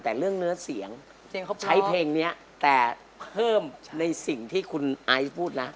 แต่เรื่องเนื้อเสียงใช้เพลงนี้แต่เพิ่มในสิ่งที่คุณไอซ์พูดนะ